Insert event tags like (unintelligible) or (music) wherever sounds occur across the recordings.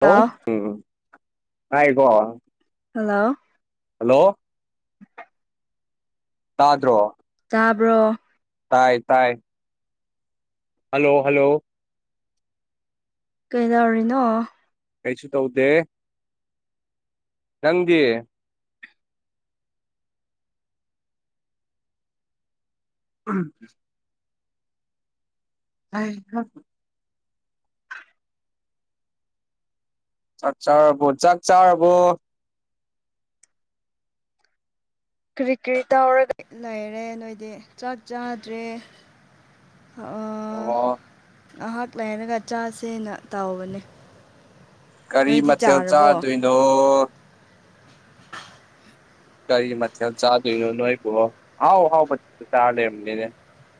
Hello ꯎꯝ ꯇꯥꯏ ꯀꯣ ꯍꯜꯂꯣ! ꯍꯜꯂꯣ! ꯇꯥꯗ꯭ꯔꯣ? ꯇꯥꯕ꯭ꯔꯣ? ꯇꯥꯏ ꯇꯥꯏ! ꯍꯜꯂꯣ! ꯍꯜꯂꯣ! ꯀꯩꯗꯧꯔꯤꯅꯣ? ꯀꯩꯁꯨ ꯇꯧꯗꯦ ꯅꯪꯗꯤ ꯎꯝ ꯑ (unintelligible) ꯆꯥꯛ ꯆꯥꯔꯔꯕꯣ ꯆꯥꯛ ꯆꯥꯔꯔꯕꯣ? ꯀꯔꯤ ꯀꯔꯤ ꯇꯧꯔꯒ ꯂꯩꯔꯦ ꯅꯣꯏꯗꯤ ꯆꯥꯛ ꯆꯥꯗ꯭ꯔꯦ ꯑ ꯑꯣ ꯉꯍꯥꯛ ꯂꯩꯔꯒ ꯆꯥꯁꯦꯅ ꯇꯧꯕꯅꯦ ꯀꯔꯤ ꯅꯣꯏꯗꯤ ꯃꯊꯦꯜ ꯆꯥꯔꯕꯣ ꯆꯥꯗꯣꯏꯅꯣ ꯀꯔꯤ ꯃꯊꯦꯜ ꯆꯥꯗꯣꯏꯅꯣ ꯅꯣꯏꯕꯣ ꯑꯍꯥꯎ ꯍꯥꯎꯕ ꯆꯥꯔ ꯂꯩꯔꯝꯗꯩꯅꯦ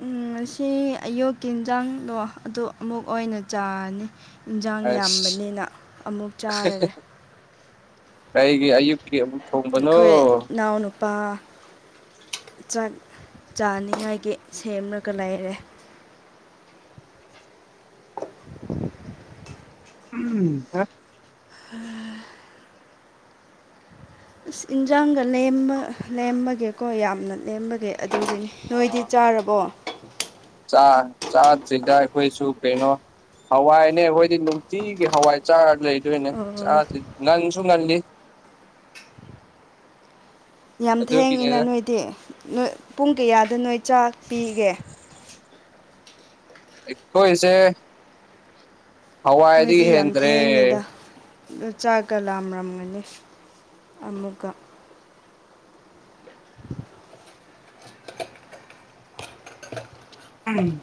ꯎꯝ ꯉꯁꯤ ꯑꯌꯨꯀꯤ ꯏꯟꯁꯥꯡꯗꯣ ꯑꯗꯨ ꯑꯃꯨꯛ ꯑꯣꯏꯅ ꯆꯥꯔꯅꯤ ꯏꯟꯁꯥꯡ ꯑꯁ ꯌꯥꯝꯕꯅꯤꯅ ꯑꯃꯨꯛ ꯆꯥꯔꯒꯦ ꯀꯩꯒꯤ ꯑꯌꯨꯛ (unintelligible) ꯑꯩꯈꯣꯏ ꯏꯅꯥꯎꯅꯨꯄꯥ ꯆꯥꯛ ꯆꯥꯅꯤꯡꯉꯥꯏꯒꯤ ꯁꯦꯝꯃꯒ ꯂꯩꯔꯦ ꯎꯝ (inaudible) ꯑꯁ ꯏꯟꯖꯥꯡꯒ ꯂꯦꯝꯕ ꯂꯦꯝꯕꯒꯤꯀꯣ ꯌꯥꯝꯅ ꯂꯦꯝꯕꯒꯤ ꯑꯗꯨꯒꯤꯅꯤ ꯅꯣꯏꯗꯤ ꯆꯥꯔꯕꯣ ꯆꯥ ꯆꯥꯗꯔꯤ ꯑꯩꯈꯣꯏꯁꯨ ꯀꯩꯅꯣ ꯍꯋꯥꯏꯅꯦ ꯑꯩꯈꯣꯏꯗꯤ ꯅꯨꯡꯇꯤꯒꯤ ꯍꯋꯥꯏ ꯆꯥꯔ ꯂꯩ ꯗꯨꯅꯦ ꯑꯣ ꯆꯥꯗ꯭ꯔꯤ ꯉꯟꯁꯨ ꯉꯜꯂꯤ ꯌꯥꯝ ꯊꯦꯡꯉꯤꯅ ꯑꯗꯨꯒꯤꯅꯤꯅ ꯅꯣꯏꯗꯤ ꯅꯣꯏ ꯄꯨꯡ ꯀꯌꯥꯗ ꯅꯣꯏ ꯆꯥꯛ ꯄꯤꯒꯦ ꯑꯩꯈꯣꯏꯁꯦ ꯍꯋꯥꯏꯗꯩ ꯍꯦꯟꯗ꯭ꯔꯦ ꯑꯗꯣ ꯆꯥꯛꯀ ꯂꯥꯝꯃꯝꯒꯅꯤ ꯑꯃꯨꯛꯀ (inaudible) ꯎꯝ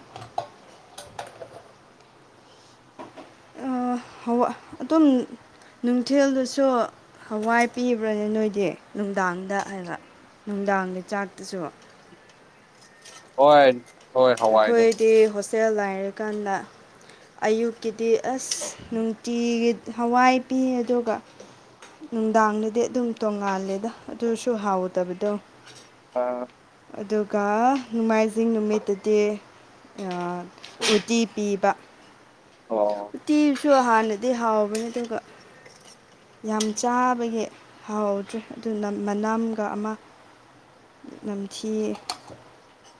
ꯍꯋꯥ ꯑꯗꯨꯝ ꯅꯨꯡꯊꯤꯜꯗꯁꯨ ꯍꯋꯥꯏ ꯄꯤꯕ꯭ꯔꯅꯦ ꯅꯣꯏꯗꯤ ꯅꯨꯡꯗꯥꯡꯗ ꯍꯥꯏꯕ ꯅꯨꯡꯗꯥꯡꯒꯤ ꯆꯥꯛꯇꯁꯨ ꯍꯣꯏ ꯍꯣꯏ ꯍꯋꯥꯏꯅꯦ ꯑꯩꯈꯣꯏꯗꯤ ꯍꯣꯁꯇꯦꯜ ꯂꯥꯏꯔꯀꯥꯟꯗ ꯑꯌꯨꯛꯀꯤꯗꯤ ꯑꯁ ꯅꯨꯡꯇꯤꯒꯤ ꯍꯋꯥꯏ ꯄꯤ ꯑꯗꯨꯒ ꯅꯨꯡꯗꯥꯡꯗꯗꯤ ꯑꯗꯨꯝ ꯇꯣꯡꯉꯥꯜꯂꯦꯗ ꯑꯗꯨꯁꯨ ꯍꯥꯎꯗꯕꯗꯣ ꯑꯥ ꯑꯗꯨꯒ ꯅꯣꯡꯃꯥꯏꯖꯤꯡ ꯅꯨꯃꯤꯠꯇꯗꯤ ꯇꯦ ꯑꯥ ꯎꯇꯤ ꯄꯤꯕ ꯑꯣ ꯎꯇꯤꯁꯨ ꯍꯥꯟꯅꯗꯤ ꯍꯥꯎꯕꯅꯦ ꯑꯗꯨꯒ ꯌꯥꯝ ꯆꯥꯕꯒꯤ ꯍꯥꯎꯗ꯭ꯔꯦ ꯑꯗꯨꯅ ꯃꯅꯝꯒ ꯑꯃ ꯅꯝꯊꯤꯌꯦ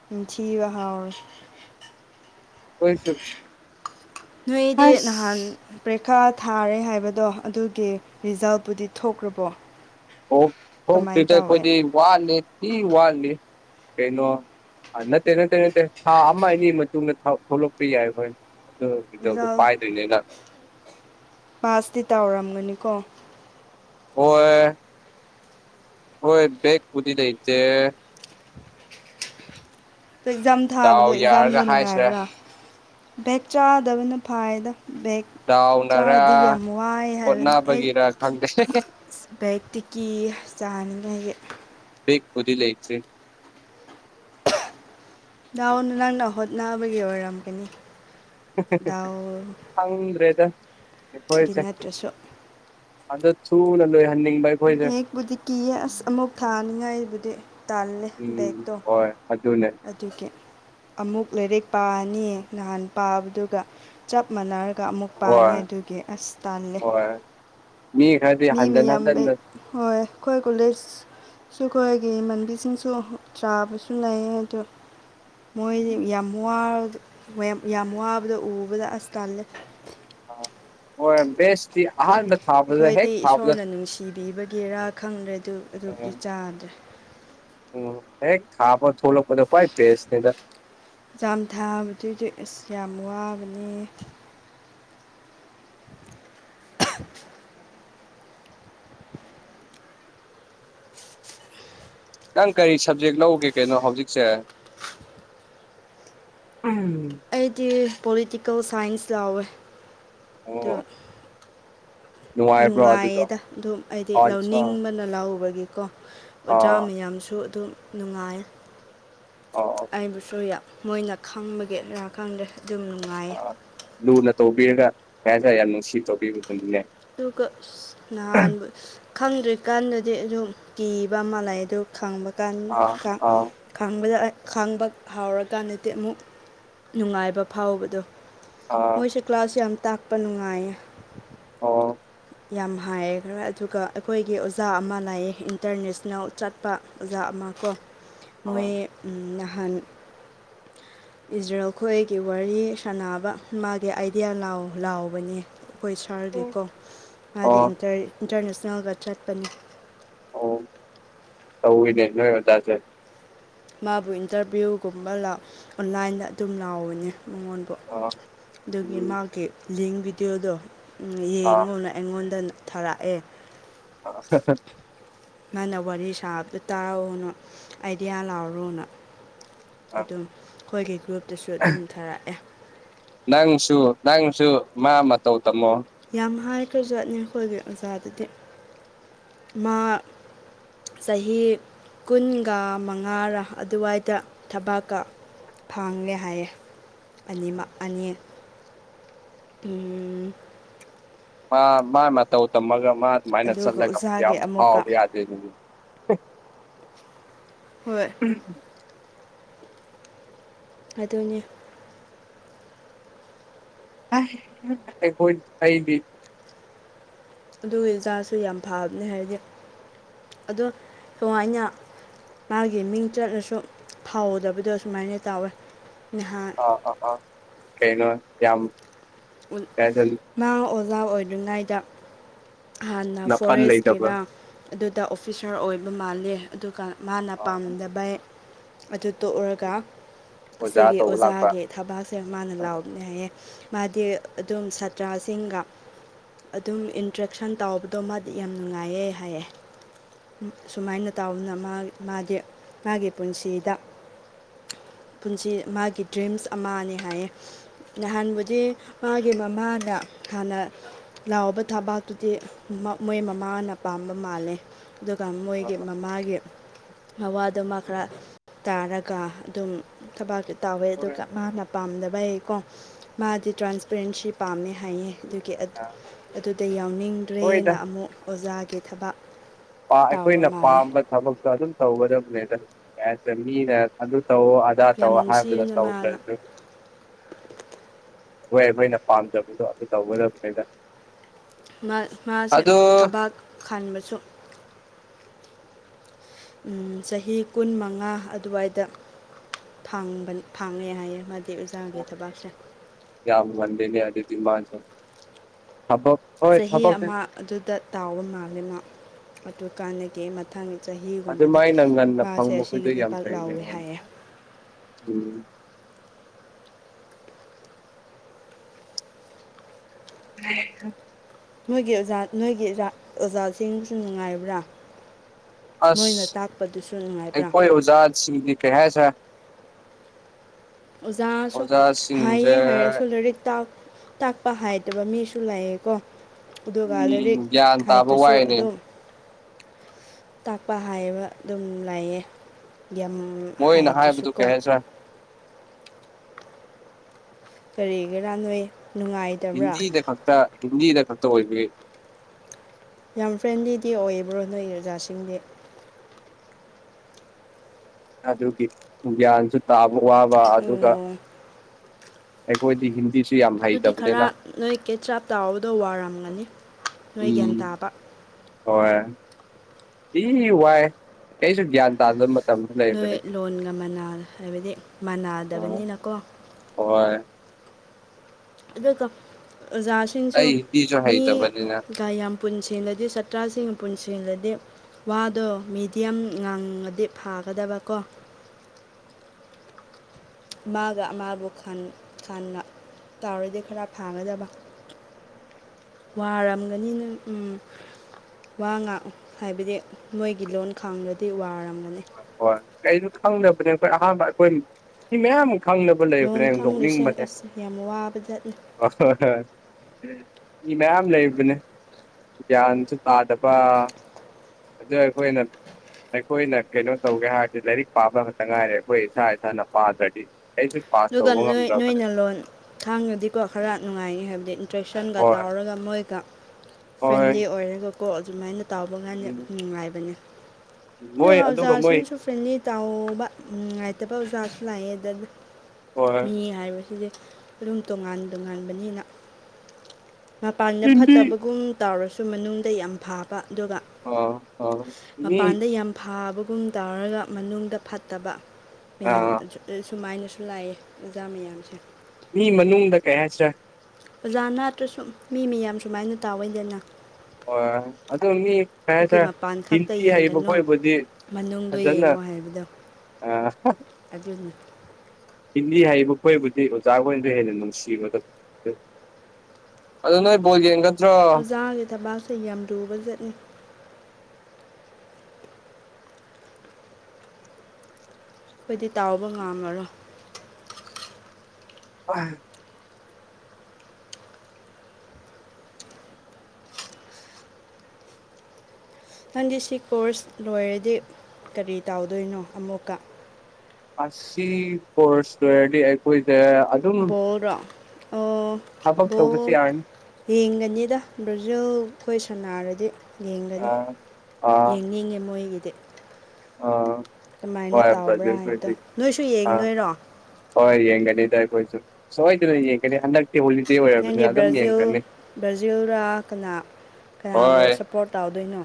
ꯅꯝꯊꯤꯕ ꯍꯥꯎ ꯑꯩꯈꯣꯏꯁꯨ ꯅꯣꯏꯗꯤ ꯑꯁ ꯅꯍꯥꯟ ꯄꯔꯤꯈꯥ ꯊꯥꯔꯦ ꯍꯥꯏꯕꯗꯣ ꯑꯗꯨꯒꯤ ꯔꯤꯖꯜꯄꯨꯗꯤ ꯊꯣꯛꯈ꯭ꯔꯕꯣ ꯊꯣ ꯀꯃꯥꯏꯅ ꯊꯣꯛꯇ꯭ꯔꯤꯗ ꯇꯧꯋꯦ ꯑꯩꯈꯣꯏꯗꯤ ꯋꯥꯠꯂꯤ ꯊꯤ ꯋꯥꯠꯂꯤ ꯀꯩꯅꯣ ꯅꯠꯇꯦ ꯅꯠꯇꯦ ꯅꯠꯇꯦ ꯊꯥ ꯑꯃ ꯑꯅꯤꯒꯤ ꯃꯇꯨꯡꯗ ꯊꯣꯛꯂꯛꯄ ꯌꯥꯏ ꯑꯩꯈꯣꯏ ꯑꯗꯨ ꯔꯤꯖꯜꯗꯨ ꯔꯤꯖꯜ ꯄꯥꯏꯗꯣꯏꯅꯤꯅ ꯄꯥꯁꯇꯤ ꯇꯧꯔꯝꯒꯅꯤꯀꯣ ꯍꯣꯏ ꯍꯣꯏ ꯕꯦꯒ ꯄꯨꯗꯤ ꯂꯩꯩꯇꯦ ꯑꯦꯛꯖꯥꯝ ꯗꯥꯎ ꯊꯥꯕꯗꯣ ꯑꯦꯛꯖꯥꯝꯗꯣ ꯌꯥꯔꯒ ꯍꯥꯏꯁꯤꯔꯥ ꯅꯨꯡꯉꯥꯏꯕ꯭ꯔꯥ ꯕꯦꯛ ꯆꯥꯗꯕꯅ ꯐꯥꯏꯗ ꯕꯦꯛ ꯗꯥꯎꯅꯔꯥ ꯆꯥꯔꯗꯤ ꯌꯥꯝ ꯋꯥ ꯍꯥꯏꯕꯅꯤ ꯑꯩ ꯍꯣꯠꯅꯕꯒꯤꯔ ꯈꯪꯗꯦ ꯕꯩꯛꯇꯤ ꯀꯤꯌꯦ ꯆꯥꯅꯤꯡꯉꯥꯏꯒꯤ ꯕꯦꯛ ꯄꯨꯗꯤ ꯂꯩꯇꯦ ꯅꯥꯎꯅ ꯅꯪꯅ ꯍꯣꯠꯅꯕꯒꯤ ꯑꯣꯏꯔꯝꯒꯅꯤ ꯗꯥꯎꯒꯤ ꯈꯪꯗ꯭ꯔꯦꯗ ꯑꯩꯈꯣꯏꯁꯦ ꯅꯠꯇ꯭ꯔꯁꯨ ꯑꯗꯣ ꯊꯨꯅ ꯂꯣꯏꯍꯟꯅꯤꯡꯕ ꯑꯩꯈꯣꯏꯁꯦ ꯕꯦꯛꯄꯨꯗꯤ ꯀꯤꯌꯦ ꯑꯁ ꯑꯃꯨꯛ ꯊꯥꯅꯤꯉꯥꯏꯕꯨꯗꯤ ꯇꯜꯂꯦ ꯎꯝ ꯕꯦꯛꯇꯣ ꯍꯣꯏ ꯑꯗꯨꯅꯦ ꯑꯗꯨꯒꯤ ꯑꯃꯨꯛ ꯂꯥꯏꯔꯤꯛ ꯄꯥꯅꯤ ꯅꯍꯥꯟ ꯄꯥꯕꯗꯨꯒ ꯆꯞ ꯃꯥꯟꯅꯔꯒ ꯑꯃꯨꯛ ꯄꯥꯅꯤ ꯍꯣꯏ ꯑꯗꯨꯒꯤ ꯑꯁ ꯇꯜꯂꯦ ꯍꯣꯏ ꯃꯤ ꯈꯥꯗꯤ ꯃꯤ ꯍꯥꯟꯗꯟ ꯍꯥꯟꯗꯟ ꯃꯤꯌꯥꯝꯕꯩ ꯅ ꯍꯣꯏ ꯑꯩꯈꯣꯏ ꯀꯣꯂꯦꯖ ꯁꯨ ꯑꯈꯣꯏꯒꯤ ꯏꯃꯥꯟꯅꯕꯤꯁꯤꯡꯁꯨ ꯆꯥꯕꯁꯨ ꯂꯩꯌꯦ ꯑꯗꯨ ꯃꯣꯏꯗꯤ ꯌꯥꯝ ꯋꯥꯕꯗꯨ ꯌꯥꯝ ꯋꯥꯕꯗ ꯎꯕꯗ ꯑꯁ ꯇꯜꯂꯦ (unintelligible) ꯕꯦꯁꯇꯤ ꯑꯍꯥꯟꯕ ꯊꯥꯕꯗ ꯍꯦꯛ ꯑꯩꯈꯣꯏꯗꯤ ꯊꯥꯕꯗ ꯏꯁꯣꯔꯅ ꯅꯨꯡꯁꯤꯕꯤꯕꯒꯤꯔꯥ ꯈꯪꯗ꯭ꯔꯦ ꯑꯗꯨ ꯑꯗꯨꯗꯤ ꯎꯝ ꯆꯥꯗ꯭ꯔꯦ ꯎꯝ ꯍꯦꯛ ꯊꯥꯕ ꯊꯣꯛꯂꯛꯄꯅ ꯈ꯭ꯋꯥꯏ ꯕꯦꯖꯅꯤꯗ ꯖꯥꯝ ꯊꯥꯕꯗꯨꯗꯤ ꯑꯁ ꯌꯥꯝ ꯋꯥꯕꯅꯦ (inaudible) ꯅꯪ ꯀꯔꯤ ꯁꯕꯖꯦꯛ ꯂꯧꯒꯦ ꯀꯩꯅꯣ ꯍꯧꯖꯤꯛꯁꯦ ꯎꯝ ꯑꯩꯗꯤ ꯄꯣꯂꯤꯇꯤꯀꯦꯜ ꯁꯥꯏꯟꯁ ꯂꯧꯋꯦ ꯑꯗꯨ ꯅꯨꯡꯉꯥꯏꯕ꯭ꯔꯣ ꯑꯗꯨꯗꯣ ꯅꯨꯡꯉꯥꯏꯌꯦꯗ ꯑꯗꯨꯝ ꯑꯩꯗꯤ ꯑꯠꯁꯥ ꯂꯧꯅꯤꯡꯕꯅ ꯂꯧꯕꯒꯤꯀꯣ ꯑꯣꯖꯥ ꯑꯥ ꯃꯌꯥꯝꯁꯨ ꯑꯗꯨꯝ ꯅꯨꯡꯉꯥꯏ ꯑꯣ ꯑꯣ ꯑꯩꯕꯨꯁꯨ ꯌꯥ ꯃꯣꯏꯅ ꯈꯪꯕꯒꯤꯔꯥ ꯈꯪꯗꯦ ꯑꯗꯨꯝ ꯅꯨꯡꯉꯥꯏ ꯑꯥ ꯂꯨꯅ ꯇꯧꯕꯤꯔꯒ (unintelligible) ꯌꯥꯝ ꯅꯨꯡꯁꯤ ꯇꯧꯕꯤꯕꯗꯨꯅꯤꯅꯦ ꯑꯗꯨꯒ ꯅꯍꯥꯟ ꯈꯪꯗ꯭ꯔꯤꯀꯥꯟꯗꯗꯤ ꯑꯗꯨꯝ ꯀꯤꯕ ꯑꯃ ꯂꯩ ꯑꯗꯨ ꯈꯪꯕ ꯑꯥ ꯀꯥꯟꯗ ꯑꯥ ꯈꯥꯡꯕꯗ ꯈꯥꯡꯕ ꯍꯥꯎꯔꯀꯥꯟꯗꯗꯤ ꯑꯃꯨꯛ ꯅꯨꯡꯉꯥꯏꯕ ꯐꯥꯎꯕꯗꯣ ꯑꯥ ꯃꯣꯏꯁꯦ ꯀ꯭ꯂꯥꯁ ꯌꯥꯝ ꯇꯥꯛꯄ ꯅꯨꯡꯉꯥꯏꯌꯦ ꯑꯣ ꯌꯥꯝ ꯍꯥꯏꯌꯦ ꯈꯔ ꯑꯗꯨꯒ ꯑꯩꯈꯣꯏꯒꯤ ꯑꯣꯖꯥ ꯑꯃ ꯂꯩꯌꯦ ꯏꯟꯇꯔꯅꯦꯁꯅꯦꯜ ꯆꯠꯄ ꯑꯣꯖꯥ ꯑꯃ ꯀꯣ ꯑꯥ ꯃꯣꯏ ꯅꯍꯥꯟ ꯏꯖꯔꯦꯜ ꯈꯣꯏꯒꯤ ꯋꯥꯔꯤ ꯁꯥꯟꯅꯕ ꯃꯥꯒꯤ ꯑꯥꯏꯗꯤꯌꯥ ꯂꯥꯎ ꯂꯥꯎꯕꯅꯤ ꯑꯩꯈꯣꯏ ꯁꯔꯒꯤꯀꯣ ꯃꯥꯗꯤ ꯑꯣ ꯏꯟꯇꯔ ꯏꯟꯇꯔꯅꯦꯁꯅꯦꯜꯒ ꯆꯠꯄꯅꯤ ꯑꯣ ꯇꯧꯏꯅꯦ ꯅꯣꯏ ꯑꯣꯖꯥꯁꯦ ꯃꯥꯕꯨ ꯏꯟꯇꯔꯚ꯭ꯌꯨꯒꯨꯝꯕ ꯂꯧ ꯑꯣꯟꯂꯥꯏꯟꯗ ꯑꯗꯨꯝ ꯂꯧꯕꯅꯤ ꯃꯉꯣꯟ ꯑ ꯑꯗꯨꯒꯤ ꯎꯝ ꯃꯥꯒꯤ ꯂꯤꯡ ꯚꯤꯗꯤꯑꯣꯗꯣ ꯑ ꯌꯦꯡꯉꯣꯅꯦ ꯑꯩꯉꯣꯟꯗ ꯊꯥꯔꯛꯑꯦ (unintelligible) ꯃꯥꯅ ꯋꯥꯔꯤ ꯁꯥꯕꯗꯨ ꯇꯥꯎꯅ ꯑꯥꯏꯗꯤꯌꯥ ꯂꯥꯎꯔꯨꯅ ꯑ ꯑꯗꯨꯝ ꯑꯩꯈꯣꯏꯒꯤ ꯒ꯭ꯔꯨꯞꯇꯁꯨ ꯑꯗꯨꯝ ꯊꯥꯔꯛꯑꯦ ꯅꯪꯁꯨ ꯅꯪꯁꯨ ꯃꯥ ꯃꯇꯧ ꯇꯝꯃꯣ ꯌꯥꯝ ꯍꯥꯏꯈ꯭ꯔꯖꯥꯠꯅꯤ ꯑꯈꯣꯏꯒꯤ ꯑꯣꯖꯥꯗꯗꯤ ꯃꯥ ꯆꯍꯤ ꯀꯨꯟꯒ ꯃꯉꯥꯔ ꯑꯗꯨꯋꯥꯏꯗ ꯊꯕꯛꯀ ꯐꯪꯉꯦ ꯍꯥꯏꯌꯦ ꯑꯅꯤꯃꯛ ꯑꯅꯤ ꯎꯝ ꯃꯥ ꯃꯥ ꯃꯇꯧ ꯇꯝꯃꯒ ꯃꯥ ꯑꯗꯨꯃꯥꯏꯅ ꯑꯗꯨꯒ ꯆꯠꯂꯒ ꯑꯣꯖꯥꯒꯤ ꯌꯥꯝ ꯑꯃꯨꯛꯀ ꯍꯥꯎꯕ ꯌꯥꯗꯦꯅꯤꯅꯦ ꯍꯣꯏ ꯎꯝ ꯎꯝ ꯑꯗꯨꯅꯤ (unintelligible) ꯍꯥꯏꯗꯤ ꯑꯗꯨꯒꯤ ꯏꯖꯥꯁꯨ ꯌꯥꯝ ꯐꯕꯅꯦ ꯍꯥꯏꯕꯗꯤ ꯑꯗꯣ ꯁꯨꯃꯥꯏꯅ ꯃꯥꯒꯤ ꯃꯤꯡ ꯆꯠꯂꯁꯨ ꯐꯥꯎꯗꯕꯗꯣ ꯁꯨꯃꯥꯏꯅ ꯇꯧꯋꯦ ꯅꯍꯥ ꯑꯥ ꯑꯥ ꯑꯥ ꯀꯩꯅꯣ ꯌꯥꯝ ꯎꯟ ꯀꯩ ꯍꯥꯏꯁꯤꯔ ꯃꯥ ꯑꯣꯖꯥ ꯑꯣꯏꯗ꯭ꯔꯤꯉꯩꯗ ꯍꯥꯟꯅ ꯅꯥꯄꯟ ꯂꯩꯇꯕ ꯐꯣꯔꯦꯁꯀꯤꯔ ꯑꯗꯨꯗ ꯑꯣꯐꯤꯁꯥꯔ ꯑꯣꯏꯕ ꯃꯥꯂꯦ ꯑꯗꯨꯒ ꯃꯥꯅ ꯑ ꯄꯥꯝꯗꯕꯩ ꯑꯗꯨ ꯇꯣꯛꯔꯒ ꯑꯣꯖꯥ ꯁꯤꯒꯤ ꯇꯧꯕ ꯂꯥꯛꯄ ꯑꯣꯖꯥꯒꯤ ꯊꯕꯛꯁꯦ ꯃꯥꯅ ꯑ ꯂꯥꯎꯕꯅꯦ ꯍꯥꯏꯌꯦ ꯃꯥꯗꯤ ꯑꯗꯨꯝ ꯁꯥꯇ꯭ꯔꯁꯤꯡꯒ ꯑꯗꯨꯝ ꯏꯟꯇ꯭ꯔꯦꯛꯁꯟ ꯇꯥꯎꯕꯗꯣ ꯃꯥꯗꯤ ꯌꯥꯝ ꯅꯨꯡꯉꯥꯏꯌꯦ ꯍꯥꯏꯌꯦ ꯁꯨꯃꯥꯏꯅ ꯇꯥꯎꯅ ꯃꯥ ꯃꯥꯗꯤ ꯃꯥꯒꯤ ꯄꯨꯟꯁꯤꯗ ꯄꯨꯟꯁꯤ ꯃꯥꯒꯤ ꯗ꯭ꯔꯤꯝꯁ ꯑꯃꯅꯦ ꯍꯥꯏꯌꯦ ꯅꯍꯥꯟꯕꯨꯗꯤ ꯃꯥꯒꯤ ꯃꯃꯥꯅ ꯍꯥꯟꯅ ꯂꯥꯎꯕ ꯊꯕꯥꯛꯇꯨꯗꯤ ꯃꯣꯏ ꯃꯃꯥꯅ ꯄꯥꯝꯕ ꯃꯥꯜꯂꯦ ꯑꯗꯨꯒ ꯑ ꯃꯣꯏꯒꯤ ꯃꯃꯥꯒꯤ ꯃꯋꯥꯗꯣ ꯃꯥ ꯈꯔ ꯇꯥꯔꯒ ꯑꯗꯨꯝ ꯊꯕꯥꯛꯇꯤ ꯇꯥꯎꯋꯦ ꯍꯣꯏ ꯑꯗꯨꯒ ꯃꯥꯅ ꯄꯥꯝꯗꯕꯩ ꯀꯣ ꯃꯥꯗꯤ ꯇ꯭ꯔꯥꯟꯁꯄꯦꯔꯦꯟꯁꯤ ꯄꯥꯝꯃꯦ ꯍꯥꯏꯌꯦ ꯑꯗꯨꯒꯤ ꯑꯗ ꯑ ꯑꯗꯨꯗ ꯍꯣꯏꯗ ꯌꯥꯎꯅꯤꯡꯗ꯭ꯔꯦꯅ ꯑꯃꯨꯛ ꯑꯣꯖꯥꯒꯤ ꯊꯕꯛ ꯑꯥ ꯇꯧꯕ ꯑꯩꯈꯣꯏꯅ ꯃꯥꯜꯂꯦ ꯄꯥꯝꯕ ꯊꯕꯛꯇꯣ ꯑꯗꯨꯝ ꯇꯧꯒꯗꯕꯝꯅꯦꯗ ꯀꯩꯍꯥꯏꯇꯔꯦ ꯃꯤꯅ ꯑꯗꯨ ꯇꯧꯑꯣ ꯗꯥ ꯌꯥꯝ ꯇꯧꯑꯣ ꯍꯥꯢꯕꯗꯣ ꯅꯨꯡꯁꯤꯅ ꯃꯥꯅ ꯇꯧꯗ꯭ꯔꯁꯨ ꯍꯣꯏ ꯑꯩꯈꯣꯏꯅ ꯄꯥꯝꯖꯕꯗꯣ ꯑꯗꯨ ꯇꯧꯒꯗꯕꯅꯤꯗ ꯃꯥ ꯃꯥꯁꯦ ꯑꯗꯣ ꯊꯕꯥꯛ ꯈꯟꯕꯁꯨ ꯎꯝ ꯆꯍꯤ ꯀꯨꯟꯃꯉꯥ ꯑꯗꯨꯋꯥꯏꯗ ꯐꯪꯕꯅꯤ ꯐꯪꯉꯦ ꯍꯥꯏꯌꯦ ꯃꯥꯗꯤ ꯑꯣꯖꯥꯒꯤ ꯊꯕꯛꯁꯦ ꯌꯥꯝ ꯉꯟꯗꯦꯅꯦ ꯑꯗꯨꯗꯤ ꯃꯖꯦ ꯊꯕꯛ ꯍꯣꯏ ꯆꯍꯤ ꯊꯕꯛꯇꯤ ꯑꯃ ꯑꯗꯨꯗ ꯇꯥꯎꯕ ꯃꯥꯜꯂꯦ ꯃꯥ ꯑꯗꯨ ꯀꯥꯟꯅꯗꯦ ꯃꯊꯪ ꯆꯍꯤꯒꯨꯝꯕꯗ ꯑꯗꯨꯃꯥꯏꯅ ꯉꯟꯅ ꯃꯥꯁꯦ ꯐꯪꯕ ꯁꯤꯒꯤ ꯈꯣꯏꯗꯣ ꯌꯥꯝ ꯊꯕꯛ ꯐꯩꯅꯦ ꯂꯧꯋꯦ ꯑꯩꯉꯣꯟꯗ ꯍꯥꯏꯌꯦ ꯎꯝ (inaudible) ꯅꯣꯏꯒꯤ ꯑꯣꯖꯥ ꯅꯣꯏꯒꯤ ꯖꯥ ꯑꯣꯖꯥꯁꯤꯡꯁꯨ ꯅꯨꯡꯉꯥꯏꯕ꯭ꯔꯥ ꯃꯣꯏꯅ ꯑꯁ ꯇꯥꯛꯄꯗꯨꯁꯨ ꯅꯨꯡꯉꯥꯏꯕ꯭ꯔꯥ ꯑꯩꯈꯣꯏ (unintelligible) ꯑꯣꯖꯥꯁꯨ ꯑꯣꯖꯥꯁꯤꯡꯁꯦ ꯍꯥꯏꯌꯦ ꯍꯥꯏꯔꯁꯨ ꯂꯥꯏꯔꯤꯛ ꯇꯥꯛ ꯇꯥꯛ ꯄꯥ ꯍꯩꯇꯕ ꯃꯤꯁꯨ ꯂꯩꯌꯦꯀꯣ ꯑꯗꯨꯒ ꯂꯩꯔꯤꯛ ꯎꯝ ꯒ꯭ꯌꯥꯟ ꯇꯥꯕ ꯍꯥꯏꯇ꯭ꯔꯁꯨ ꯋꯥꯏꯅꯦ ꯑꯗꯨꯝ ꯇꯥꯛꯄ ꯍꯥꯏꯕ ꯑꯗꯨꯝ ꯂꯩꯌꯦ ꯌꯥꯝ ꯃꯣꯏꯅ ꯍꯥꯏꯕꯗꯨ ꯍꯩꯇ꯭ꯔꯁꯨꯀꯣ ꯀꯩ ꯍꯥꯏꯁꯥ ꯀꯔꯤꯒꯤꯔꯥ ꯅꯣꯏ ꯅꯨꯉꯥꯏ ꯍꯤꯟꯗꯤꯗ ꯈꯛꯇ ꯍꯤꯟꯗꯤꯗ ꯈꯛꯇ ꯑꯣꯏꯕꯩ ꯌꯥꯝ ꯐ꯭ꯔꯦꯟꯂꯤꯗꯤ ꯑꯣꯏꯕ꯭ꯔꯣ ꯅꯣꯏ ꯑꯣꯖꯥꯁꯤꯡꯗꯤ ꯑꯗꯨꯒꯤ ꯒ꯭ꯌꯥꯟꯁꯨ ꯇꯥꯕ ꯋꯥꯕ ꯑꯗꯨꯒ ꯑꯩꯈꯣꯏꯗꯤ ꯍꯤꯟꯗꯤꯁꯨ ꯌꯥꯝ ꯑꯗꯨꯗꯤ ꯈꯔ ꯍꯩꯇꯕꯅꯤꯅ ꯅꯣꯏ ꯀꯦꯠꯆꯥꯞ ꯇꯥꯎꯕꯗꯣ ꯋꯥꯔꯝꯒꯅꯤ ꯅꯣꯏ ꯒ꯭ꯌꯥꯟ ꯎꯝ ꯇꯥꯕ ꯍꯣꯏ ꯏ ꯋꯥꯏ ꯀꯩꯁꯨ ꯒ꯭ꯌꯥꯟ ꯇꯥꯗ ꯃꯠ ꯅꯣꯏ ꯂꯣꯟꯉ ꯃꯅꯥ ꯍꯥꯏꯕꯗꯤ ꯑ ꯃꯥꯟꯅꯗꯕꯅꯤꯅꯀꯣ ꯍꯣꯏ ꯑꯗꯨꯒ ꯑꯣꯖꯥꯁꯤꯡꯁꯨ ꯑꯩ ꯍꯤꯟꯗꯤꯁꯨ ꯃꯤ ꯍꯩꯇꯕꯅꯤꯅ ꯀꯥ ꯌꯥꯝ ꯄꯨꯟꯁꯤꯜꯂꯗꯤ ꯁꯇ꯭ꯔꯥꯁꯤꯡꯒ ꯄꯨꯟꯁꯤꯜꯂꯗꯤ ꯋꯥꯗꯣ ꯃꯦꯗꯤꯌꯝ ꯉꯥꯡꯉꯗꯤ ꯐꯥꯒꯗꯕ ꯀꯣ ꯃꯥꯒ ꯑꯃꯥꯕꯨ ꯈꯟ ꯈꯟꯅ ꯇꯥꯎꯔꯗꯤ ꯈꯔ ꯐꯒꯗꯕ ꯋꯥꯔꯝꯒꯅꯤ ꯅꯪ ꯎꯝ ꯋꯥ ꯉꯥꯛ ꯍꯥꯏꯕꯗꯤ ꯃꯣꯏꯒꯤ ꯂꯣꯟ ꯈꯪꯔꯗꯤ ꯋꯔꯝꯒꯅꯤ ꯍꯣꯏ ꯀꯩꯅꯣ ꯈꯪꯗꯕꯅꯦ ꯑꯩꯈꯣꯏ ꯑꯍꯥꯟꯕ ꯑꯩꯈꯣꯏ ꯃꯤ ꯃꯌꯥꯝ ꯈꯪꯅꯕ ꯂꯩꯕꯅꯦ ꯂꯣꯟ ꯈꯪꯗ꯭ꯔꯤꯁꯦ ꯅꯣꯛꯅꯤꯡꯕꯅꯦ ꯑꯁ ꯌꯥꯝ ꯋꯥꯕ ꯖꯥꯠꯅꯤ ꯍꯣꯏ ꯍꯣꯏ ꯃꯤ ꯃꯌꯥꯝ ꯂꯩꯕꯅꯦ ꯒ꯭ꯌꯥꯟꯁꯨ ꯇꯥꯗꯕ ꯑꯗꯨ ꯑꯩꯈꯣꯏꯅ ꯑꯩꯈꯣꯏꯅ ꯀꯩꯅꯣ ꯇꯧꯒꯦ ꯍꯥꯏꯔꯗꯤ ꯂꯥꯏꯔꯤꯛ ꯄꯥꯕ ꯈꯛꯇ ꯉꯥꯏꯔꯦ ꯑꯩꯈꯣꯏ ꯏꯁꯥ ꯏꯁꯥꯅ ꯄꯥꯗ꯭ꯔꯗꯤ ꯑꯩꯁꯨ ꯄꯥꯁ ꯑꯗꯨꯒ ꯇꯧꯕ ꯅꯣꯏ ꯉꯝꯗ꯭ꯔꯕꯅꯦ ꯅꯣꯏꯅ ꯂꯣꯟ ꯈꯪꯉꯗꯤꯀꯣ ꯈꯔ ꯅꯨꯡꯉꯥꯏꯅꯤ ꯍꯥꯏꯕꯗꯤ ꯇ꯭ꯔꯦꯁꯟꯒ ꯍꯣꯏ ꯇꯧꯔꯒ ꯃꯣꯏꯒ ꯍꯣꯏ ꯐ꯭ꯔꯦꯟꯂꯤ ꯑꯣꯏꯔꯒꯀꯣ ꯑꯗꯨꯃꯥꯏꯅ ꯇꯥꯎꯕ ꯉꯥꯟꯗ ꯎꯝ ꯅꯨꯡꯉꯥꯏꯕꯅꯦ ꯑꯗꯣ ꯃꯣꯏ ꯑꯗꯨꯒ ꯃꯣꯏ ꯑꯣꯖꯥꯁꯤꯡꯁꯨ ꯐ꯭ꯔꯦꯟꯂꯤ ꯇꯥꯎꯕ ꯅꯨꯉꯥꯏꯇꯕ ꯑꯣꯖꯥꯥꯁꯨ ꯂꯥꯛꯑꯦ ꯑꯗ ꯍꯣꯏ ꯃꯤ ꯍꯥꯏꯕꯁꯤꯗꯤ ꯑꯗꯨꯝ ꯇꯣꯉꯥꯟ ꯇꯣꯉꯥꯟꯕꯅꯤꯅ ꯃꯄꯥꯟꯗ ꯍꯤꯟꯗꯤ ꯐꯠꯇꯕꯒꯨꯝ ꯇꯧꯔꯁꯨ ꯃꯅꯨꯡꯗ ꯌꯥꯝ ꯐꯕ ꯑꯗꯨꯒ ꯑ ꯑ ꯃꯤ ꯃꯄꯥꯟꯗ ꯌꯥꯝ ꯐꯕꯒꯨꯝ ꯇꯧꯔꯒ ꯃꯅꯨꯡꯗ ꯐꯠꯇꯕ ꯑ ꯃꯌꯥꯝ ꯑꯗꯨ ꯁꯨꯃꯥꯏꯅꯁꯨ ꯂꯥꯛꯌꯦ ꯑꯣꯖꯥ ꯃꯌꯥꯝꯁꯦ ꯃꯤ ꯃꯅꯨꯡꯗ ꯀꯩ ꯍꯥꯏꯁꯤꯔꯥ ꯑꯣꯖꯥ ꯅꯠꯇ꯭ꯔꯁꯨ ꯃꯤ ꯃꯌꯥꯝ ꯁꯨꯃꯥꯏꯅ ꯇꯥꯑꯣꯏꯗꯅ ꯑꯣ ꯑꯗꯨ ꯃꯤ ꯀꯩ ꯑꯗꯨꯒꯤ ꯍꯇꯥ ꯃꯄꯥꯟ ꯈꯛꯇ ꯍꯤꯟꯗꯤ ꯍꯩꯕ ꯌꯦꯡꯒꯅꯨ ꯈꯣꯏꯕꯨꯗꯤ ꯃꯅꯨꯡꯗꯣ ꯐꯖꯅ ꯌꯦꯡꯉꯣ ꯍꯥꯏꯕꯗꯣ ꯑ ꯍꯥ ꯑꯗꯨꯅꯤ ꯍꯤꯟꯗꯤ ꯍꯩꯕ ꯈꯣꯏꯕꯨꯗꯤ ꯑꯣꯖꯥꯈꯣꯏꯅ ꯍꯦꯟꯅ ꯅꯨꯡꯁꯤꯕꯗꯨ ꯑꯗꯨ ꯅꯣꯏ ꯕꯣꯜ ꯌꯦꯡꯒꯟ ꯑꯣꯖꯥꯒꯤ ꯊꯕꯥꯛꯁꯦ ꯌꯥꯝ ꯂꯨꯕ ꯆꯠꯂꯤ ꯈꯣꯏꯗꯤ ꯇꯥꯎꯕ ꯉꯥꯝꯃꯔꯣꯏ ꯍ ꯅꯪꯗꯤ ꯁꯤ ꯀꯣꯔꯁ ꯂꯣꯏꯔꯗꯤ ꯀꯔꯤ ꯇꯧꯗꯣꯏꯅꯣ ꯑꯃꯨꯛꯀ ꯑꯁꯤ ꯀꯣ꯭ꯔꯁ ꯂꯣꯢꯔꯗꯤ ꯑꯩꯈꯣꯏꯁꯦ ꯑꯗꯨꯝ ꯕꯣꯜꯔꯣ ꯑꯣ ꯊꯕꯛ ꯕꯣꯜ ꯇꯧꯕꯁꯨ ꯌꯥꯔꯅꯤ ꯌꯦꯡꯒꯅꯤꯗ ꯕ꯭ꯔꯥꯖꯤꯜ ꯈꯣꯏ ꯁꯅꯥꯔꯗꯤ ꯌꯦꯡꯒꯅꯤ ꯑꯥ ꯑꯥ ꯌꯦꯡꯅꯤꯡꯉꯦ ꯃꯣꯏꯒꯤꯗꯤ ꯑꯥ ꯀꯃꯥꯏꯅ ꯍꯣꯏ ꯇꯥꯎꯕ꯭ꯔꯥ ꯕ꯭ꯔꯥꯖꯤꯜ ꯈꯣꯏꯗꯤ ꯍꯥꯏꯗꯣ ꯅꯣꯏꯁꯨ ꯑꯥ ꯌꯦꯡꯗꯣꯏꯔꯣ ꯍꯣꯏ ꯌꯦꯡꯒꯅꯤꯗ ꯑꯩꯈꯣꯏꯁꯨ ꯁꯣꯏꯗꯅ ꯌꯦꯡꯀꯅꯤ ꯍꯟꯗꯛ ꯑꯦ ꯍꯣꯂꯤꯗꯦ ꯑꯣꯏ ꯅꯪꯗꯤ ꯕ꯭ꯔꯥꯖꯤꯜ ꯕ꯭ꯔꯥꯖꯤꯜꯔ ꯀꯅꯥ ꯀꯅꯥꯕꯨ ꯍꯣꯏ ꯁꯞꯄꯣꯔꯠ ꯇꯧꯗꯣꯏꯅꯣ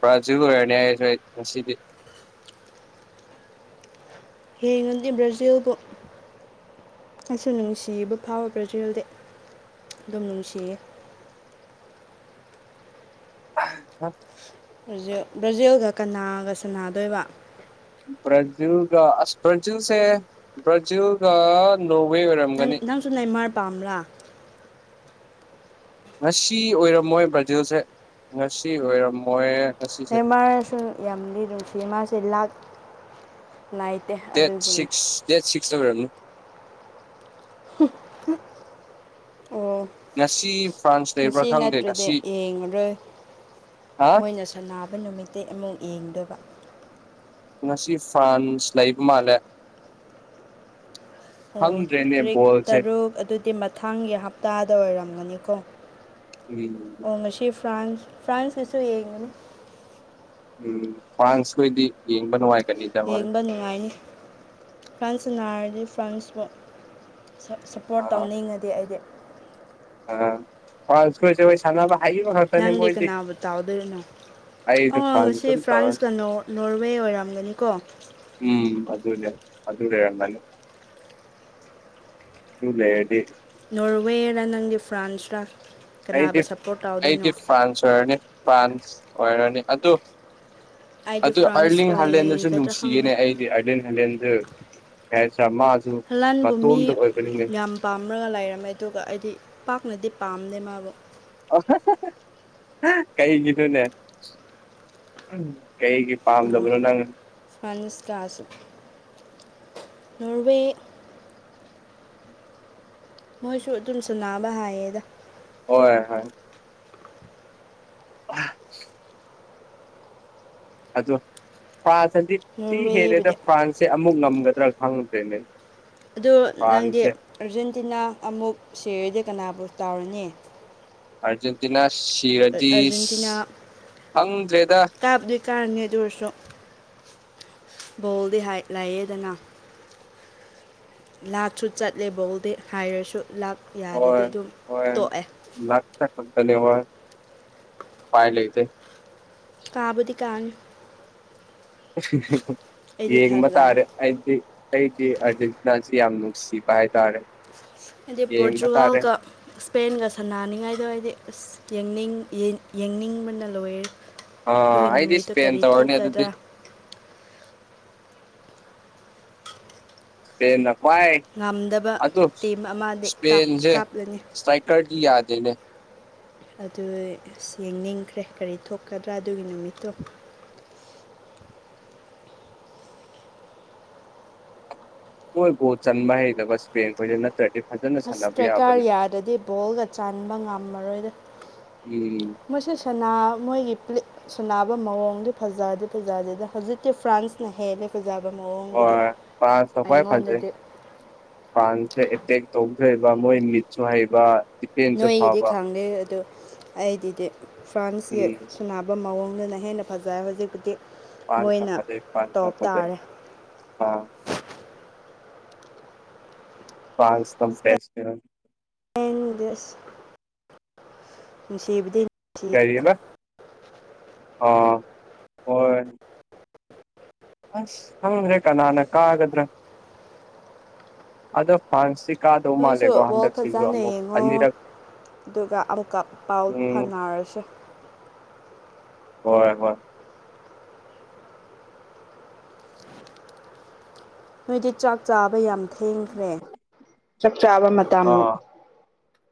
ꯕ꯭ꯔꯥꯖꯤꯜ ꯑꯣꯏꯔꯅꯤ ꯑꯩꯁꯨ ꯑꯩ ꯉꯁꯤꯗꯤ ꯍꯦꯡꯉꯗꯤ ꯕ꯭ꯔꯥꯖꯤꯜꯕꯨ ꯑꯩꯁꯨ ꯅꯨꯡꯁꯤꯕ ꯐꯥꯎꯋꯦ ꯕ꯭ꯔꯖꯤꯜꯗꯤ ꯑꯗꯨꯝ ꯅꯨꯡꯁꯤꯌꯦ ꯑꯥꯍꯥ ꯑꯔꯖꯤꯜ ꯕ꯭ꯔꯥꯖꯤꯜꯒ ꯀꯅꯥꯒ ꯁꯥꯅꯗꯣꯏꯕ ꯕ꯭ꯔꯥꯖꯤꯜꯒ ꯑꯁ ꯕ꯭ꯔꯥꯖꯤꯜꯁꯦ ꯕ꯭ꯔꯥꯖꯤꯜꯒ ꯅꯣꯋꯦ ꯑꯣꯏꯔꯝꯒꯅꯤ ꯑꯗꯨ ꯅꯦꯃꯥꯔ ꯄꯥꯝꯕ꯭ꯔꯥ ꯉꯁꯤ ꯑꯣꯏꯔꯝꯃꯣꯏ ꯕ꯭ꯔꯥꯖꯤꯜꯁꯦ ꯉꯁꯤ ꯑꯣꯏꯔꯝꯃꯣꯏ ꯉꯁꯤꯁꯦ ꯅꯦꯃꯥꯔꯁꯨ ꯌꯥꯝꯗꯤ ꯅꯨꯡꯁꯤꯌꯦ ꯃꯥꯁꯦ ꯂꯥꯛ ꯂꯩꯇꯦ ꯗꯦꯠ ꯑꯗꯨꯒꯤꯅꯤ ꯁꯤꯛꯁ ꯗꯦꯠ ꯁꯤꯛꯁꯇ ꯑꯣꯏꯔꯝꯅꯤ ꯑꯣ ꯉꯁꯤ ꯐ꯭ꯔꯥꯟꯁ ꯂꯩꯕ꯭ꯔꯥ ꯉꯁꯤ ꯈꯪꯗꯦ ꯅꯠꯇ꯭ꯔꯗꯤ ꯉꯁꯤ ꯌꯦꯡꯉꯔꯣꯏ ꯑ ꯃꯣꯏꯅꯁꯨ__ ꯁꯅꯥꯕ ꯅꯨꯃꯤꯠꯇꯩ ꯑꯃꯨꯛ ꯑꯦꯡꯗꯣꯏꯕ ꯉꯁꯤ ꯐ꯭ꯔꯥꯟꯁ ꯂꯩꯕ ꯃꯥꯜꯂꯦ ꯑꯣ ꯈꯪꯗ꯭ꯔꯦꯅꯦ ꯇ꯭ꯔꯤꯛ ꯕꯣꯜꯁꯦ ꯇꯔꯨꯛ ꯑꯗꯨꯗꯤ ꯃꯊꯪꯒꯤ ꯍꯞꯇꯥꯗ ꯑꯣꯏꯔꯝꯒꯅꯤꯀꯣ ꯎꯝ ꯑꯣ ꯉꯁꯤ ꯐ꯭ꯔꯥꯟꯁ ꯐ꯭ꯔꯥꯟꯁꯀꯤꯁꯨ ꯌꯦꯡꯉꯅꯤ ꯎꯝ ꯐ꯭ꯔꯥꯟꯁꯈꯣꯏꯗꯤ ꯌꯦꯡꯕ ꯅꯨꯡꯉꯥꯏ ꯌꯦꯡꯕ ꯅꯨꯡꯉꯥꯏꯅꯤ ꯐ꯭ꯔꯥꯟꯁ ꯁꯥꯟꯅꯥꯔꯗꯤ ꯐ꯭ꯔꯥꯟꯁꯄꯨ ꯁꯥ ꯁꯞ__ ꯄꯣꯔ꯭ꯠ ꯑꯥ ꯇꯧꯅꯤꯡꯉꯗꯤ ꯑꯩꯗꯤ ꯑꯥ ꯐ꯭ꯔꯥꯟꯁꯈꯣꯏꯁꯨ ꯏꯁꯥꯟꯅꯕ ꯍꯩꯕ ꯉꯥꯛ__ ꯅꯪꯗꯤ ꯀꯅꯥꯕꯨ ꯇꯥꯎꯗꯣꯏꯅꯣ ꯑꯩꯁꯨ ꯑꯣ ꯐ꯭ꯔꯥꯟꯁ ꯉꯁꯤ ꯑꯗꯨꯝ ꯇꯧꯔꯅꯤ ꯐ꯭ꯔꯥꯟꯁꯀ ꯅꯣ ꯅꯣꯔꯋꯦ ꯑꯣꯏꯔꯝꯒꯅꯤꯀꯣ ꯎꯝ ꯑꯗꯨꯅꯦ ꯑꯗꯨ ꯂꯩꯔꯝꯒꯅꯤ ꯗꯨ ꯂꯩꯔꯗꯤ ꯅꯣꯔꯋꯦꯔ ꯅꯪꯗꯤ ꯐ꯭ꯔꯥꯟꯁꯔꯥ ꯑꯩꯗꯤ ꯑꯩꯗꯤ ꯐ꯭ꯔꯥꯟꯁ ꯑꯣꯏꯔꯅꯤ ꯐ꯭ꯔꯥꯟꯁ ꯑꯣꯏꯔꯅꯤ ꯑꯗꯨ__ ꯑꯩꯗꯤ ꯑꯗꯨ ꯐ꯭ꯔꯥꯟꯁ ꯑꯥꯔꯂꯤꯡ ꯍꯥꯂꯦꯟꯗꯨꯁꯨ ꯑꯣꯏꯒꯗ꯭ꯔꯥ ꯈꯪꯗꯦ ꯅꯨꯡꯁꯤꯌꯦꯅꯦ ꯑꯩꯗꯤ ꯑꯥꯔꯂꯤꯟ ꯍꯥꯂꯦꯟꯗꯣ ꯑꯦ ꯁꯥ ꯃꯥꯖꯨ ꯍꯂꯥꯟꯕꯨ ꯃꯤ ꯃꯇꯣꯝꯗ ꯑꯣꯏꯕꯅꯤꯅꯦ ꯌꯥꯝ ꯄꯥꯝꯔꯒ ꯂꯩꯔꯝꯃꯦ ꯑꯗꯨꯒ ꯑꯩꯗꯤ ꯄꯥꯛꯅꯗꯤ ꯄꯥꯝꯗꯦ ꯃꯥꯕꯨ ꯀꯩꯒꯤꯅꯣꯅꯦ ꯎꯝ ꯀꯩꯒꯤ ꯄꯥꯝꯗꯕꯅꯣ ꯅꯪ ꯐ꯭ꯔꯥꯟꯁꯀꯁꯨ ꯅꯣꯔꯋꯦ ꯃꯣꯏꯁꯨ ꯑꯗꯨꯝꯁꯨ ꯁꯅꯥꯕ ꯍꯥꯏꯌꯦꯗ ꯍꯣꯏ ꯍꯣꯏ ꯑꯥ ꯑꯗꯣ ꯐꯥꯁꯁꯖꯤ ꯁꯤ ꯍꯦꯜꯂꯦꯗ ꯅꯣꯔꯋꯦꯕꯨꯗꯤ ꯐꯥꯟꯁꯦ ꯑꯃꯨꯛ ꯉꯝꯒꯗ꯭ꯔꯥ ꯈꯪꯗꯦꯅꯦ ꯑꯗꯣ ꯅꯪꯗꯤ ꯑꯔꯖꯦꯟꯇꯤꯅꯥ ꯑꯃꯨꯛ ꯁꯤꯔꯗꯤ ꯀꯅꯥꯕꯨ ꯇꯥꯎꯔꯅꯤ ꯑꯥꯔꯖꯦꯟꯇꯤꯅꯥ ꯁꯤꯔꯗꯤꯁ ꯑꯥꯔꯖꯦꯟꯇꯤꯅꯥ ꯈꯪꯗ꯭ꯔꯦꯗ ꯀꯥꯕꯨꯗꯤ ꯀꯥꯔꯅꯤ ꯑꯗꯨ ꯑꯣꯏꯔꯁꯨ ꯕꯣꯜꯗꯤ ꯍꯥꯏꯠ ꯂꯩꯑꯦꯗꯅ ꯂꯥꯛꯁꯨ ꯆꯠꯂꯦ ꯕꯣꯜꯗꯤ ꯍꯥꯏꯔꯁꯨ ꯂꯥꯛ ꯌꯥꯗ꯭ꯔꯗꯤ ꯑꯗꯨꯝ ꯇꯣꯛꯑꯦ ꯂꯥꯛ (unintelligible) ꯄꯥꯏ ꯂꯩꯇꯦ ꯀꯥꯕꯨꯗꯤ ꯀꯥꯅꯤ (unintelligible) (unintelligible) ꯑꯩꯗꯤ ꯌꯦꯡꯕ ꯊꯥꯖꯩ ꯇꯥꯔꯦ ꯑꯩꯗꯤ ꯑꯩꯗꯤ ꯑꯔꯖꯦꯟꯇꯤꯅꯥꯁꯤ ꯌꯥꯝ ꯅꯨꯡꯁꯤꯕ ꯍꯥꯏꯇꯥꯔꯦ ꯑꯦꯗꯤ ꯌꯦꯡꯕ ꯇꯥꯔꯦ ꯄꯣꯔꯆꯨꯒꯜꯀ ꯏꯁꯄꯦꯟꯒ ꯁꯥꯟꯅꯅꯤꯡꯉꯥꯏꯗꯣ ꯑꯩꯗꯤ ꯑꯁ ꯌꯦꯡꯅꯤꯡ ꯌꯦꯡ ꯌꯦꯡꯅꯤꯡꯕꯅ ꯂꯣꯏꯔꯦ (unintelligible) ꯑꯣ ꯑꯗꯨꯒꯤ ꯑꯩꯗꯤ ꯅꯨꯃꯤꯠꯇꯣ ꯏꯁꯄꯦꯟ ꯀꯔꯤ ꯇꯧꯔꯅꯤ ꯑꯗꯨꯗꯤ ꯊꯣꯛꯀꯗ꯭ꯔꯥ ꯄꯦꯟꯅ ꯈ꯭ꯋꯥꯏ ꯉꯝꯗꯕ ꯑꯗꯨ ꯇꯤꯝ ꯑꯃꯗꯤ ꯏꯁꯄꯦꯟꯁꯦ ꯀꯥꯞꯂꯅꯤ ꯁꯇ꯭ꯔꯥꯏꯀꯔꯗꯤ ꯌꯥꯗꯦꯅꯦ ꯑꯗꯨ ꯑꯁ ꯌꯦꯡꯅꯤꯡꯈ꯭ꯔꯦ ꯀꯔꯤ ꯊꯣꯛꯀꯗ꯭ꯔꯥ ꯑꯗꯨꯒꯤ ꯅꯨꯃꯤꯠꯇꯨ ꯃꯣꯏ ꯒꯣꯜ ꯆꯟꯕ ꯍꯩꯇꯕ ꯏꯁꯄꯦꯟ ꯈꯣꯏꯗ ꯅꯠꯇ꯭ꯔꯗꯤ ꯐꯖꯅ ꯁꯥꯟꯅꯕ ꯌꯥꯕꯅꯦ ꯗꯗꯤ ꯕꯣꯜꯒ ꯆꯟꯕ ꯉꯝꯃꯔꯣꯏꯗ ꯏ ꯃꯣꯏꯁꯨ ꯁꯥꯅ ꯃꯣꯏꯒꯤ ꯄ꯭ꯂꯦ ꯁꯅꯕꯥ ꯃꯑꯣꯡꯗꯨ ꯐꯖꯗꯤ ꯐꯖꯗꯦꯗ ꯍꯧꯖꯤꯛꯀꯤ ꯐ꯭ꯔꯥꯟꯁ ꯅ ꯍꯦꯜꯂꯦ ꯐꯖꯕ ꯃꯑꯣꯡꯕꯨꯗꯤ ꯍꯣꯏ ꯑꯩꯉꯣꯟꯗꯗꯤ ꯐꯥꯟꯁꯦ ꯑꯦꯇꯦꯛ ꯇꯧꯕꯗꯤ ꯃꯣꯏ ꯃꯤꯠꯁꯨ ꯍꯩꯕ ꯗꯤꯐꯦꯟꯁꯨ ꯅꯣꯏꯒꯤꯗꯤ ꯐꯕ ꯈꯥꯡꯗꯦ ꯑꯗꯨ ꯑꯩꯗꯤꯗꯤ ꯐ꯭ꯔꯥꯟꯁꯀꯤ ꯎꯝ ꯇꯥꯟꯅꯕ ꯃꯑꯣꯡꯗꯨꯅ ꯍꯦꯟꯅ ꯐꯖꯩ ꯍꯧꯖꯤꯛ ꯄꯨꯗꯤ ꯐꯥꯟꯁꯅ ꯐꯗꯦ ꯐꯥꯟꯁ ꯇꯥꯔꯦ (unintelligible) ꯐ꯭ꯔꯥꯟꯁ ꯇ (unintelligible) (unintelligible) ꯑꯁ ꯅꯨꯡꯁꯤꯕꯗꯤ ꯅꯨꯡꯁꯤ ꯀꯔꯤ ꯑꯕ ꯑꯣ ꯍꯣꯏ ꯑꯁ ꯈꯪꯗ꯭ꯔꯦ ꯀꯅꯥꯅ ꯀꯥꯒꯗ꯭ꯔꯥ ꯑꯗꯣ ꯐ꯭ꯔꯥꯟꯁꯁꯤ ꯀꯥꯗꯧ ꯃꯥꯜꯂꯦꯀꯣ ꯅꯣꯏꯁꯨ ꯕꯣꯜ ꯍꯟꯗꯛꯁꯤꯒꯨ ꯐꯖꯅ ꯑꯃꯨꯛ ꯌꯦꯡꯉꯣ ꯑꯅꯤꯔꯛ ꯑꯗꯨꯒ ꯑꯃꯨꯛꯀ ꯄꯥꯎ ꯎꯝ ꯐꯥꯎꯅꯔꯁꯦ ꯍꯣꯏ ꯍꯣꯏ ꯅꯣꯏꯗꯤ ꯆꯥꯛ ꯆꯥꯕ ꯌꯥꯝ ꯊꯦꯡꯈ꯭ꯔꯦ ꯆꯥꯛ ꯆꯕ ꯃ ꯇꯝ ꯑꯥ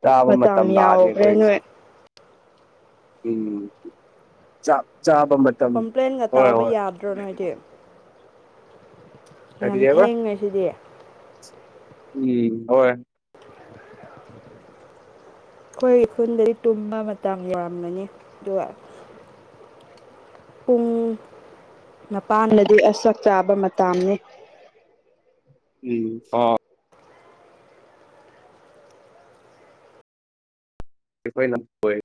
ꯆꯥꯕ ꯃꯇꯝ ꯂꯥꯛꯑꯅꯤ ꯌꯥꯎꯈ꯭ꯔꯦ ꯑꯩꯈꯣꯏꯁꯦ ꯅꯣꯏ ꯎꯝ ꯆꯥꯞ ꯆꯥꯕ ꯃ ꯀꯝꯄ꯭ꯂꯦꯟꯒ ꯇꯥꯎꯕ ꯌꯥꯗ꯭ꯔꯣ ꯅꯣꯏꯗꯤ ꯌꯥꯝ ꯀꯔꯤꯑꯕ ꯊꯦꯡꯉꯦ ꯁꯤꯗꯤ (unintelligible) ꯎꯝ ꯍꯣꯏ ꯑꯈꯣꯏꯒꯤ ꯈꯨꯜꯗꯗꯤ ꯇꯨꯝꯕ ꯃꯇꯝ ꯌꯥꯝꯔꯝꯒꯅꯤ ꯑꯗꯨꯒ ꯄꯨꯡ ꯃꯄꯥꯟꯗꯗꯤ ꯑꯁ ꯆꯥꯛ ꯆꯥꯕ ꯃꯇꯥꯝꯅꯦ ꯎꯝ ꯍꯣ ꯑꯩꯈꯣꯏꯅ (unintelligible)